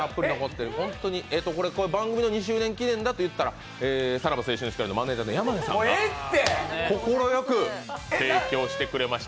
これは番組の２周年記念だと行ったらさらば青春の光のマネージャーの山根さんが快く提供してくれました。